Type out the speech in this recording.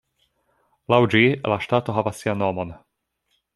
Laŭ ĝi la ŝtato havas sian nomon.